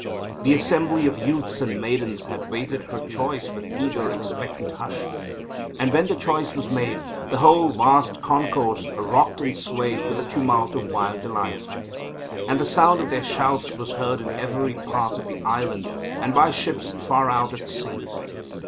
The assembly of youths and maidens had waited her choice with eager, expectant hush. And when the choice was made, the whole vast concourse rocked and swayed with a tumult of wild delight. And the sound of their shouts was heard in every part of the island, and by ships far out at sea.